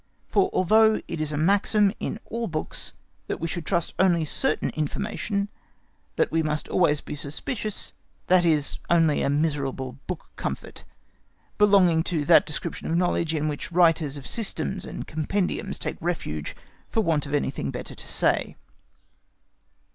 For although it is a maxim in all books that we should trust only certain information, that we must be always suspicious, that is only a miserable book comfort, belonging to that description of knowledge in which writers of systems and compendiums take refuge for want of anything better to say.